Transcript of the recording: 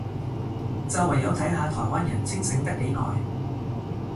就唯有睇下台灣人清醒得幾耐